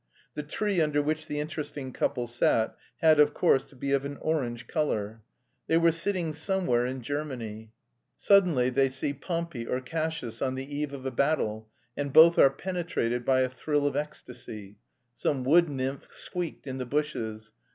The tree under which the interesting couple sat had of course to be of an orange colour. They were sitting somewhere in Germany. Suddenly they see Pompey or Cassius on the eve of a battle, and both are penetrated by a thrill of ecstasy. Some wood nymph squeaked in the bushes.